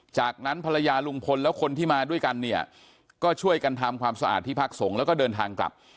จากนั้นภรรยาลุงพลแล้วคนที่มาด้วยกันเนี่ยก็ช่วยกันทำความสะอาดที่พักสงฆ์แล้วก็เดินทางกลับ